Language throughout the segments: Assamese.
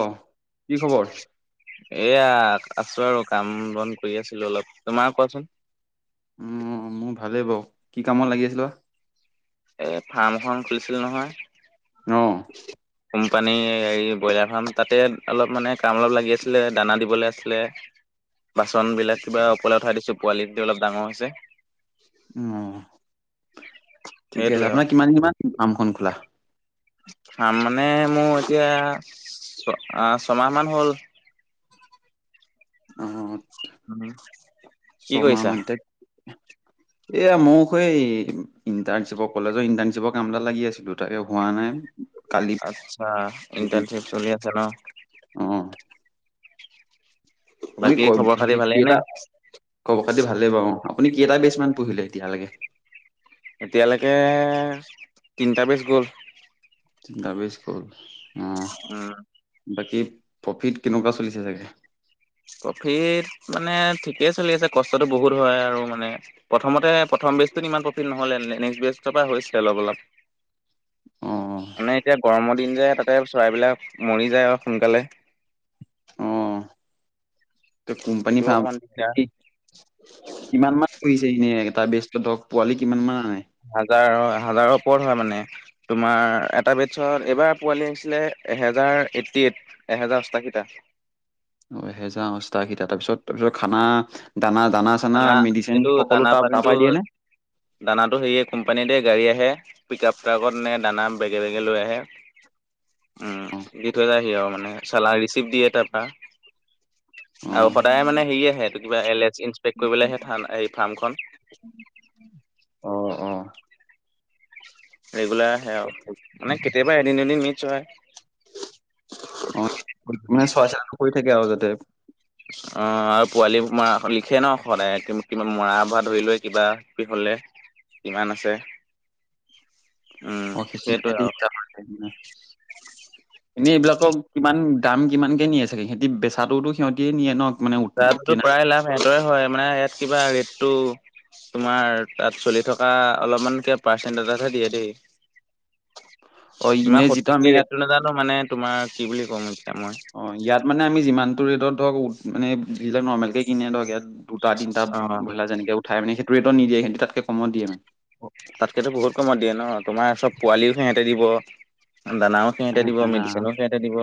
অ কি খবৰ এইয়া আছো আৰু কাম বন কৰি আছিলো অলপ, তোমাৰ কোৱাচোন? উম মোৰ ভালেই বাৰু, কি কামত লাগি আছিল বা? এ ফাৰ্ম এখন খুলিছিলো নহয়। অ কোম্পানী এই ব্ৰইলাৰ ফাৰ্ম তাতে অলপ মানে কাম অলপ লাগি আছিলে দানা দিবলৈ আছিলে। বাচন বিলাক কিবা ওপৰলে উঠাই দিছো পোৱালিখিনি অলপ ডাঙৰ হৈছে। উম, ঠিকে আছে সেইটোৱে আৰু আপোনাৰ কিমান দিনমান ফাৰ্মখন খোলা? ফাৰ্ম মানে মোৰ এতিয়া ছয়মাহ মান হ'ল। উম। হে চমাহ মানতে [inaudible] এয়া মোৰখ স ইণ্টাৰশ্বিপৰ কলেজৰ ইণ্টাৰ্শিপৰ কামটা লাগি আছিলো তাকে হোৱা নাই কালি আচ্ছা ইণ্টাৰ্নশ্বিপ চলি আছে ন অ আপুনি বাকী ক খবৰ খাতি হেৰি ভালেই নে কেইটা কব খাতি ভালেই বাৰু আপুনি কেইটা বেচ মান পঢ়িলে এতিয়ালৈকে এতিয়ালৈকে তিনিটা বেজ গ'ল দাবিজ্ কুল উম বাকী প্ৰফিট কেনেকুৱা চলিছে চাগে প্ৰফিট মানে ঠিকেই চলি আছে কষ্টতটো বহুত হয় আৰু মানে প্ৰথমতে প্ৰথম বেজটোত ইমান প্ৰফিট নহলে নেক্সট বেজৰ পৰা হৈছে অলপ অলপ অ মানে এতিয়া গৰমৰ দিন যে তাতে চৰাইবলাক মৰি যায় আৰু সোনকালে ত কোম্পনি সেইটো ফাৰ্ম অকমান দিগদাৰ। কিমান মান পঢহিছে এনে এটা ব্যস্তত পোৱালি কিমান মান আনে হাজাৰ হাজাৰৰ ওপৰত হয় মানে তোমাৰ এটা বেডছত এইবাৰ পোৱালি আহিছিলে এহেজাৰ এইট্টি এইট এেজাৰ সস্তা কেইটা অ এহেজাৰ অষ্টাশীটা তাৰপিছত তাৰপিছত খানা দানা দানা ানা মেডিচিন এইটো সকলো দানা ত তাৰ পানীটো পৰাই দিয়ে নে দানাটো সেয়ে কোম্পানীতে গাড়ী আহে পিক আপ ট্ৰাকত নে দানা বেগে বেগে লৈ আহে উম দি থৈ যায়হি আৰু মানে চালা ৰিচিপ্ট দিয়ে তাৰপৰা অ আৰু সদায় মানে হেৰি আহেটো কিবা এল এ ইনসপেক্ট কৰিবলৈ আহে থ এই ফাৰ্মখন অ অ ৰেগুলাৰ আহে ঠিকে আৰু আছে। মানে কেতিয়াবা এদিন এদিন মছ হয় অ ম চোৱাচ কৰি থাকে আৰু যাতে অ আৰু পোৱালি মৰা লিখে ন সদায় কিমান মৰা ভৰা ধৰি লৈ কিবাি হলে কিমান আছে উম সেইটোৱে অে আৰু [inaudible] এনেই এইবিলাকক কিমান দাম কিমানকে নিয়ে চাগে সিহঁতি বেচাটোতো সিহঁতিয়ে নিয়ে ন মানে উৎ- চাহতো কিনা প্ৰায় লাভ সিহঁতৰে হয় মানে ইয়াত কিবা ৰেটটো তোমাৰ তাত চলি থকা অলপমানকে পাৰ্চেন্টজতহে দিয়ে দেই অ ইমান এনে যিটো আমি সঠিকে ইয়াত ৰেটটো নোজানো মানে তোমাৰ কি বুলি ক'ম এতিা মই অ ইয়াত মানে আমি যিমান টো ৰেটত ধৰক মানে যিবিলাক নৰ্মেল কেে কনে ধৰক ইয়াত তিনিটা অ'। ব্ৰলাৰ যেনেক উাই মানে সেইটো ৰেত নিিয়ে সন্তু তাতকে কম দিয় মানে তাতকেতো বহুত কমত দিয়ে ন তোমাৰ চব পোৱালিও সিহতে দিব দানাও সিহঁতে দিব মেডিচিনো সিহঁতে দিব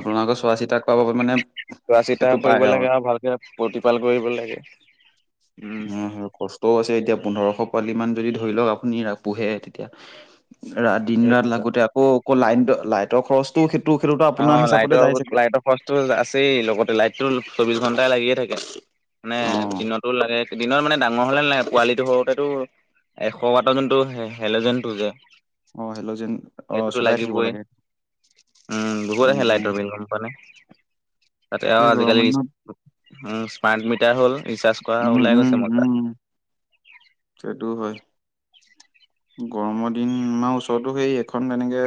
আপোনালোকৰ চোৱা চিতা কৰা মানে চোৱা চিতা সেইটো কৰিব পায় লাগে আৰু ভালকে প্ৰতিপাল কৰিব লাগে উম ত আছে এতিয়া পোন্ধৰশ পোৱালি মান যদি ধৰি লওক আপুনি পোহে তেতিয়া ৰা দিন ৰাত সেইটোৱে লাগোতে আকৌ আকৌ লাইন লাইটৰ খৰচ তো সেইটো সেইটোো অ আপোনাৰ লাইটৰ হিচাপতে যাই চাগে লাইটৰ খৰচটো আছেই লগতে লাইটটোো চৌবিশ ঘণ্টাই লাগিয়ে থাকে মানে অ দিনতো লাগে দিনত মানে ডাঙৰ হলে নালাগে পোৱালিটো সৰুতেতো এশ ৱাটৰ যোনটো হে হেল'যেনটো যে অ হেল্ল'যেন অ সেইটোতো চলাই থাকিব লাগিবই লাগে উম বহুত আহে লাইটৰ বিল গম পোৱানে তাতে তাকে আৰু গৰমৰ আজিকালি দিনত উম স্মাৰ্ট মিটাৰ হ'ল ৰিচাৰ্জ কৰা উম ওলাই গৈছে মজা হেতু হয় গৰমৰ দিন আমাৰ ওচৰতো সেই এখন এনেকে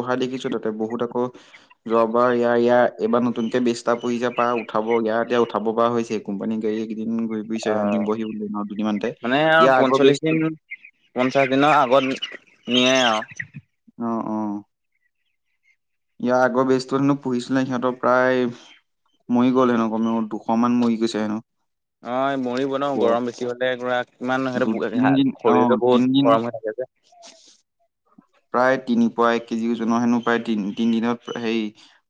বহা দেখিছো তাতে বহুত আকৌ যোৱাবাৰ ইয়াৰ ইয়াৰ এইবাৰ নতুনকে বিষ্টা পুহিছে পা উঠাব ইয়াৰ এতিয়া উঠাব পৰা হৈছে কোম্পানী গাড়ী কেইদিন ঘূৰি অ ফুৰিছে নিবহি বুলে আৰু দুদিনমানতে মানে আৰু ইয়াৰ আগৰ পঞ্চল্লিশ দিন বেচটোত পঞ্চাশ দিনৰ আগত নিয়ে আৱ অ অ ইয়াৰ আগৰ বেজতো হেনো পঢ়িছিলে সিহঁতৰ প্ৰায় ম'ই গ'ল হেনো কমেও দুশ মান মৰি গৈছে হেনো অ মৰি বনাও বৰ- গৰম বেছি হলে গুৰা কিমান দু সেইটো তিনদিন অ শৰীৰটো বহুত তিনদিন গৰম হৈ থাকে যে [unintelligible] প্ৰায় তিন পুৱা এক কেজি ওজন হেনো প্ৰায় তি তিনি দিনত সেই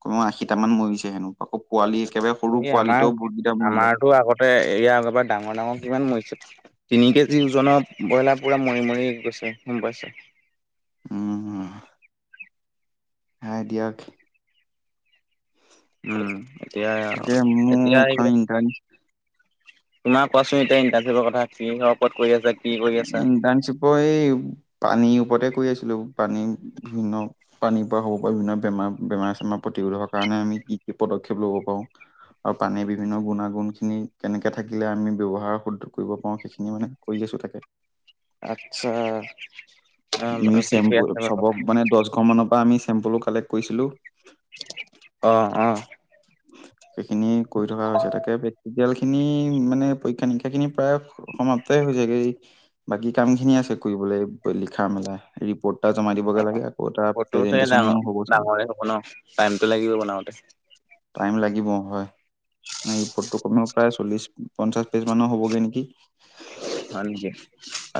ক আশীটা মান মৰিছে হেনো আকৌ পোৱালি একেবাৰে সৰু পোৱালিটো বহতকেইটা মৰিলে টো আগতে ইয়া আগবাৰ ডাঙৰ ডাঙৰ কিমান মৰিছে তিনি কেজি ওজনৰ ব্ৰইলাৰ পোৰা মৰি মৰি গৈছে গম পাইছা উম উম শা দিয়ক উম উম এতিয়া তাকে এতিয়া মোক ইণ্টাৰ্ণ তোমাৰ কোৱাচোন এতিয়া ইণ্টাৰভিউ কথা কি ক'ত কৰি আছা কি কৰি আছা? ই এই পানীৰ ওপতে কৰি আছিলো পানী বিভিন্ন পানীৰ পৰা হ'ব পৰা বিভিন্ন বেমাৰ বেমাৰ চেমাৰ প্ৰতিশোধ হোৱাৰ কাৰণে আমি কি কি পদক্ষেপ ল'ব পাৰো আৰু পানীৰ বিভিন্ন গুণাগুণ খিনি কেনেকে থাকিলে আমি ব্যৱহাৰ শুদ্ধ কৰিব পাৰো সেইখিনি মানে কৰি আছো তাকে আচ্ছা মী অ ঠিকে চেম্পুল আছে বাৰু চবক মানে দহ ঘৰ মানৰ পৰা আমি চেম্পুলো কালেক্ট কৰিছিলোঁ অ অ এইখিনি কৰি থকা হৈছে তাকে পৰিয়াল খিনি মানে পৰীক্ষা-নিৰীক্ষা খিনি প্ৰায় সমাপ্তই হৈ যাগে বাকী কাম খিনি আছে কৰিবলৈ লিখা-মেলা ৰিপৰ্ট ত জমা দিবগে লাগে আকৌ টা প্ৰেজেনট্ৰেচনো হ'ব চাগে বনা টাইমটো লাগিবই বনাওতে টাইম লাগিব হয় মানে ৰিপৰ্টো কমেও প্ৰায় চল্লিশ, পঞ্চাশ পেজ মানৰ হ'বগে নেকি হয় নেকি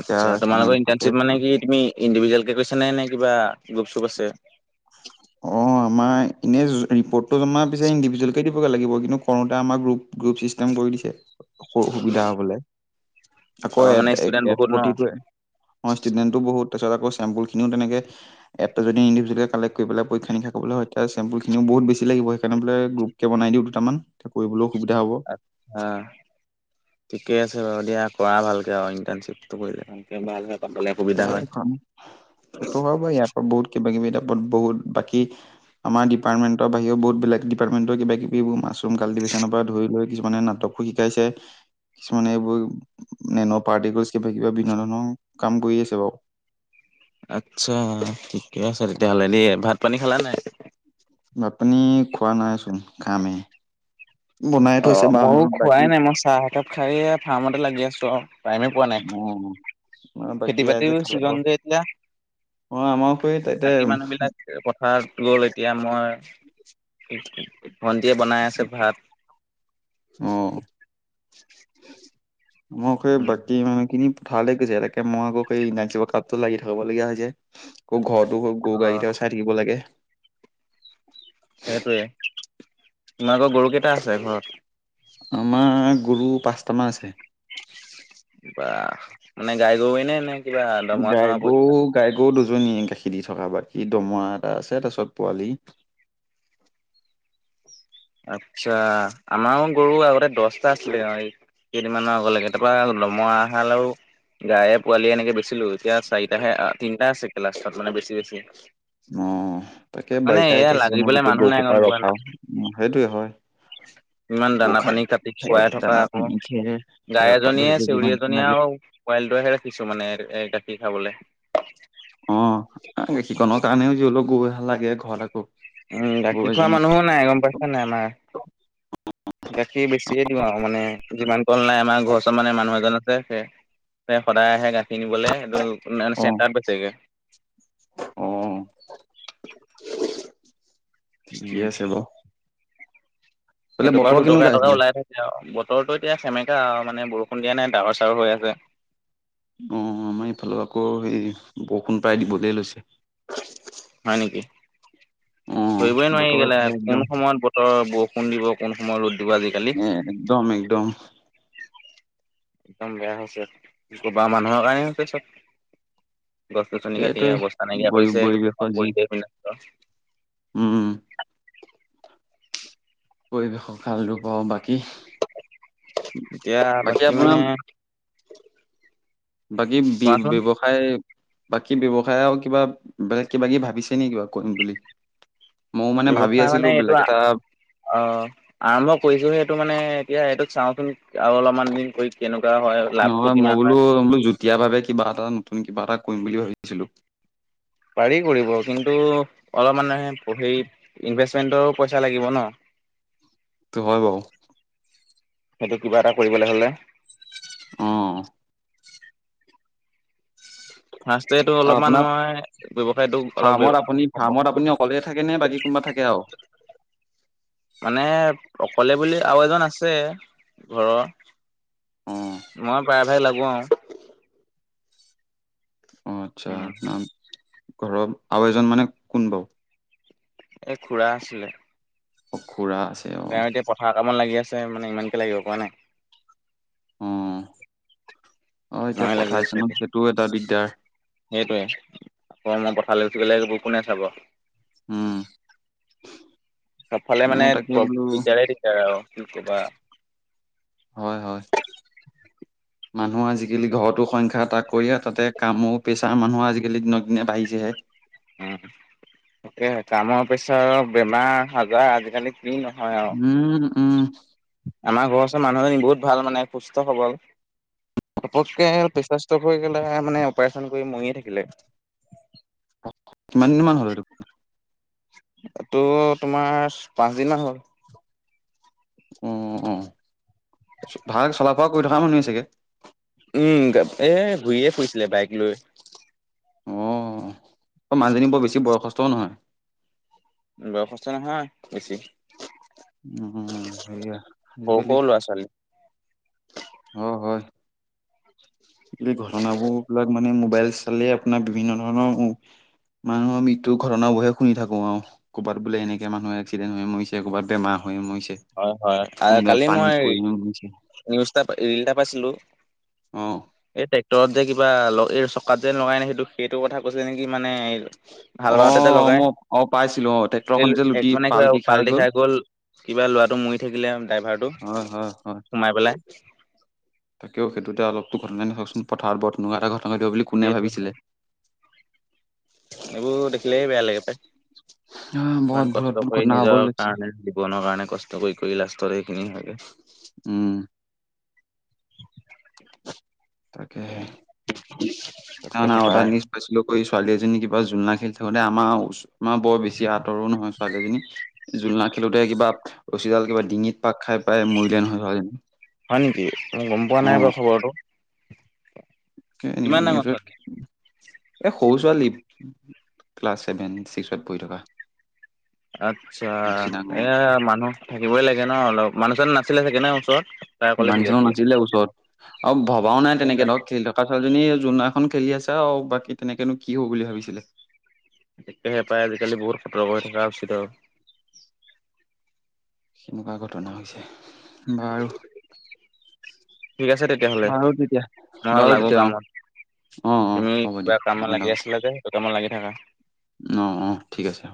এতিয়া কিমান তোমালোকৰ থাকে ইণ্টাৰ্নশ্বিপ মানে কি তুমি ইণ্ডিভিজুৱেলকে কৈছা নে কিবা গ্ৰুপ- চুপ আছে [unintelligible] অঁ আমাৰ এনেই ৰিপৰ্টটো জমাৰ পিছে ইণ্ডিভিজুৱেলকে দিবগে লাগিব কিন্তু কৰোতে আমাৰ গ্ৰুপ গ্ৰুপ চিষ্টেম কৰি দিছে সু সুবিধা হ'বলে অ আকৌ এ মানে ষ্টুডেন্ট এট বহুত ন প্ৰতিটোৱে হয় ষ্টুটমেণ্টো বহুত তাৰপিছত আকৌ চেম্পুলখিনি তেনেকে এপটো যদি ইণ্ডিভিজুৱেল কালেক কৰিবলে পৰীক্ষা- নিৰিক্ষা কৰিবলে হয়তিয়া চেম্পুলনিও বহু বেছি লাগিবে সেইকাৰনে বোলো গ্ৰুপকে বনাই দিওঁ দুটা মান এতিয়া কৰিবলো সুবিধা হ'ব। আট চা ঠিকে আছে বাৰু দিয়া কৰা ভালকে আৰু ইণ্টাৰ্ণশ্বিপটো কৰিলে ভালকে ভাল হে পাবলে এ সুবিধা হয়। এখন সেইটো হয় বাৰু ইয়াৰ পৰা বহুত কিবা কিবি তাপাত বহুত বাকী আমাৰ ডিপাৰ্টমেণ্ট বাহিৰেও বহুত বেলেগ ডিপাৰ্টমেণ্টৰ কিবা কিবি মাচৰুম কাল্টিভেচনৰ পৰা ধৰি লৈ কিছুমানে নাটক শিকাইছে কিছুমানে এইবোৰ নেন পাৰ্টি [unintelligible] কিবা কিবা বিভিন্ন ধৰণৈশও কাম কৰি আছে বাৰু আচ্ছা ঠিকে আছে তেতিয়াহ'লে দেই। ভাত পানী খালা নাই? ভাত পানী খোৱা নাইচোন খামে হে অ মইয়ো খোৱাই বাকী নাই মই চাহ একাপ খায়ে ফাৰ্মতে লাগি আছো আও টাইমে পোৱা নাই। অ আমাৰ বাকী খেতি বাতি ৰাইজে খালে সিজন বাৰু যে এতিয়া অ আমাৰ সেই তাতে বাকী মানুহ বিলাক পথাৰত গ'ল এতিয়া মই ভণ্টীয়ে বনাই আছে ভাত। অ মোক সেই উম বাকী সময়খিনি ভালে কৈছে এনেকে মই আকৌ এই নাইটচিপৰ কাপটো লাগি থাকাব লগীয়া হয় যে আকৌ ঘৰটো গৰু অ গাইকেইটাও চাই থাকিব লাগে। সেইটোৱে তোমাৰ আক গৰু কেইটা আছে ঘৰত আমাৰ গৰু পাঁচটামান আছে। বা মানে গাই গৰুৱে নে কিবা দমৰা চমৰা গাই গৰু পুহিছা? গাই গৰু দুজনীয়ে গাখীৰ দি থকা বাকী দমৰা এটা আছে তাৰপিছত পোৱালি আচ্ছা আমাৰ গৰু আগতে দহটা আছিলে অ এই কেইদিনমানৰ আগলৈকে তাৰপৰা লমআ এহাল আৰু গায়ে পোৱালীয়ে এনেকে বেচিলো এতিয়া চাৰিটাহে, তিনিটা আছে কে লাষ্টাত মানে বেছি বেছি। অ তাকে মানে বাৰিষা এয়া এতিয়া চিজনৰ লাগিবলে গোটেই মানুহ নাই গম গৰুসোপা পোৱা ৰখাও নাই উ সেইটোৱে হয়। ইমান গৰু দানা খাই পানী কাটি খুৱাই খেৰ থকা দানা আকৌ পানী খেৰ গাই খেৰৰ পৰা ধৰি এজনীয়ে, লৈ চিউৰি যিমান এজনীয়ে লাগে আৰু পোৱালিটোহে ৰাখিছোঁ মানে এই গাখীৰ খাবলে অ গাখীৰ কনও কাৰণেও যিহলো গৰু এহাল লাগি ঘৰত আকৌ উম গৰু গাখীৰ খোৱা এজনী মানুহো নাই গম পাইছা নাই আমাৰ। গাখীৰ বেছিকে দিওঁ আৰু মানে যিমান কল নাই আমাৰ ঘৰ চৰ মানে মানুহ এজন আছে সেই সদায় আহে গাখীৰ নিবলে এটো মেন অ চেণ্টাৰত চেগে অ ঠিকে আছে বাৰু এইফালে সেইটোৰ পৰাও বতৰ দুটকা কেনেকুৱা এটকা এইফালে ওলাই থাকে আৰু বতৰতো এতিয়া সেমেকা আৰু মানে বৰষুণ দিয়া নাই ডাৱৰ চাৱৰ হৈ আছে। অ আমাৰ এইফালে আকৌ সেই বৰষুণ প্ৰায় দিবলে লৈছে। হয় নেকি অ ধৰিবই বতৰ নোৱাৰি এইফালে [unintelligible] কোন একদম সময়ত ব- তৰত বৰষুণ দিব কোন সময় ৰ'দ দিব আজি এ একদম একদম একদম বেয়া হৈছে কবা মানুহৰ কাৰণেই হৈছে চব গছ-গছনি কাটি এইটোৱে অৱস্থা নাইকিয়া পৰি কৰিছে পৰিৱেশৰ গোটেইখন যি পৰিৱেশ বিনষ্ট। উম পৰিৱেশক ভালটো পাওঁ বাকী এতিয়া বাকী মানে বাকী বি কোৱাচোন ব্যৱ- সায় বাকী ব্যৱসায় আৰু কিবা বেলেগ কিবা কি ভাবিছে নেকি বাৰু কৰিম বুলি ময়ও মানে ভাবি আছিলো বেলেগ এটা। অঁ। আৰম্ভ কৰিছো সেইটো মানে এতিয়া এইটোক চাওঁচোন আৰু অলপমান দিন কৰি কেনেকুৱা হয়। লাভটো নহয় মই কিমান হয়। বোলো বোলো যুটীয়া ভাৱে কিবা এটা নতুন কিবা এটা কৰিম বুলি ভাবিছিলো। পাৰি কৰিব কিন্তু অলপ মানে হেৰি ইনভেষ্টমেণ্টৰো পইচা লাগিব ন। [inaudible] সেইটো হয় বাৰু। সেইটো কিবা এটা কৰিবলৈ হ'লে। অঁ। ফাষ্টট ত অলপমান আপোনাৰ মই ব্যৱসায়টো অলপ ফাৰ্মত আপুনি হব। ফাৰ্মত আপুনি অকলে থাকে নে বাকী কোনোবা থাকে আৰু। মানে অকলে বুলি আৰু এজন আছে ঘৰৰ। অ, মই প্ৰায় ভাগ লাগো আৰু। অ' আচ্ছা উম আপোনাৰ ঘৰৰ আও এজন মানে কোন বাৰু। এই খুৰা আছিলে। অ' খুৰা আছে আৰু। তেওঁ এতিয়া পথাৰ ককামত লাগি আছে মানে ইমানকে লাগিব পোৱা নাই। অ' অ' এতিয়া ময়ে লাগি পঠাইছ আছো মান এতিয়া সেইটোও এটা দিগদাৰ। সেইটোৱে আকৌ মই পথা লৈগ'লে এইবোৰ কোনে চাব। উম। সবফালে মানে মোৰ তাকে বোলো দিগদাৰে দিগদাৰ আৰু কি কবা। হয় হয়, মানুহৰ আজিকালি ঘৰতো সংখ্যা তাক। কৰি আৰু তাতে কামো প্ৰেছাৰ মানুহ আজিকালি দিনক দিনে বাঢ়িছেহে। উম তাকে, কামৰ প্ৰেছাৰ বেমাৰ সজাৰ আজিকালি কি নহয় আৰু। উম উম। আমাৰ ঘৰ ওচৰ মানুহজনী বহুতালানে সুস্থ সবল। পককে পেচাস্ত [inaudible] হৈ গেলা মানে অপাৰেচন কৰি মৰিয়ে থাকিলে। কিমান দিন মান হল সেইটো? এইটো তোমাৰ পাঁচদিনমান হ'ল। অ'অ 'ভাল চলাফূৰা কৰি থকা মানুহ চাগে? উম, এ ঘূৰিয়ে ফুৰিছিলে বাইক লৈ। অঁ ত' মানুহজনী বৰ বেছি বয়সস্থও নহয়। নহয় বেছি [unintelligible] উম সেয়া। সৰু আজিকালি সৰু ল'ৰা - ছোৱালী। হয় হয়। [unintelligible] আজিকালি ঘটনাবোৰ বিলাক মানে মোবাইল চালে আপোনাৰ বিভিন্ন ধৰণৰ। মানুহৰ মৃত্যুৰ ঘটনা বোৰহে শুনি থাকো আৰু। ক'ৰবাত বোলে এনেকে মানুহ একসিডেণ্টয় মৰিছে ক'ৰবাত বেমাৰহৈ মৰিছে। হয় হয়, আৰু কোনোবাই কালি পানীত মই পৰি মৰিছে নিউজটা ৰিল এটা পাইছিলো। অঁ। এই ট্ৰেক্টৰত যে কিবা এই চকাত যে লগাই নাই সেইটো সেইটো কথা কৈছে নেকি মানে। ভাল ভাতেতে অ' লগাই মই অ' পাইছিলো অ' ট্ৰেক্টৰখন এই যে লুটি এক মানে কি পালটি পাল্টি খাই গ'ল [unintelligible] কিবা ল'ৰাটো মৰি থাকিলে ড্ৰাইভাৰটো হয় হয় হয়। সোমাই পেলাই। তাকেও সেইটোতে অলপটো ঘটনাই নাওকচোন পথাৰত [unintelligible] এটা ঘটনা দিব বুলি কোনে সেইটো ভাবিছিলে এইবোৰ দেখিলেে বেয়া লাগে পায় অ' বহুত ইমান বহুত কষ্ট বহুত কৰি ঘটনা হ'ব নিজৰ লৈছে কাৰণে জীৱনৰ কাৰণে কষ্ট কৰি কৰি লাষ্টৰ সখিনি হয়গৈ উম [unintelligible] তাকে [unintelligible] পায়। নিশ [unintelligible] ছোৱালী এজনী কিবা জোলনা খেলি থাকোতে আমাৰ আমাৰ বৰ বেছি আঁতৰো নহয় ছোৱালীজনী জোলনা খেলোতে কিবা ৰছীডাল কিবা ডিঙিত পাক খাই পাই মৰিলে নহয় হয় নেকি মই গম পোৱা নাই অ' বাৰু খবৰটো কিমান ডাঙৰ নিউজত ছোৱালী? এই সৰু ছোৱালী ক্লাছ ছেভেন ছিক্সত পঢ়ি থকা আচ্ছা বেছি ডাঙৰ এ মানুহ থাকিবই লাগে ন অলপ মানুহজন নাছিলে চাগে ন ওচৰত তাই অকলে মানুহ খেলি চানো আছিলে। নাছিলে ওচৰত আৰু ভবাও নাই তেনেকে ধৰক খেল ধক [unintelligible] ছোৱালীজনী জোৰনা এখন খেলি আছে আৰু বাকী তেনেকৈনো কি হ'ব বুলি ভাবিছিলে হে হে পাই আজিকালি বহুত সতৰ্ক হৈ থকা উচিত আৰু সেনেকুৱা ঘটনা হৈছে বা আৰু ঠিক আছে তেতিয়াহ'লে মই আৰু বাৰু লাগো তেতিয়া অ', কামত অ', অ', তুমি হ'ব কিবা দিয়ক কামত লাগি আপোনালোকক আছিলা যে ত কামত লাগি থাকা অ অ ঠিক আছে